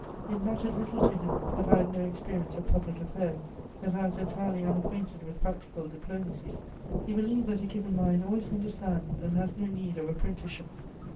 It mattered little to him that I had no experience of public affairs, that I was entirely unacquainted with practical diplomacy; he believed that a given mind always understands and has no need of apprenticeship.